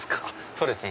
そうですね。